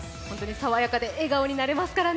さわやかで笑顔になれますからね。